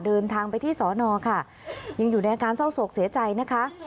เดินทางไปที่สอนอค่ะยังอยู่ในอาการเศร้าโศกเสียใจนะคะ